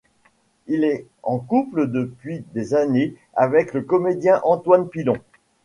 Elle est en couple depuis des années avec le comédien Antoine Pilon.